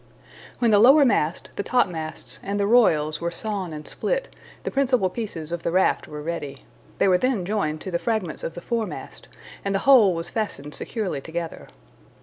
When the lower mast, the topmasts, and the royals were sawn and split, the principal pieces of the raft were ready. They were then joined to the fragments of the foremast and the whole was fastened securely together.